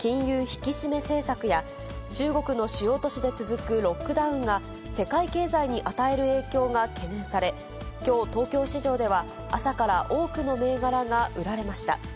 引き締め政策や、中国の主要都市で続くロックダウンが、世界経済に与える影響が懸念され、きょう、東京市場では、朝から多くの銘柄が売られました。